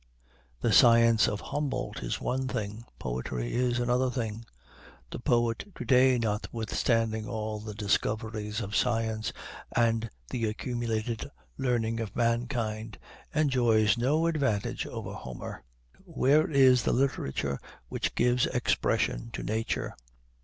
The science of Humboldt is one thing, poetry is another thing. The poet to day, notwithstanding all the discoveries of science, and the accumulated learning of mankind, enjoys no advantage over Homer. Where is the literature which gives expression to Nature?